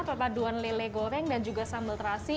perpaduan lele goreng dan juga sambal terasi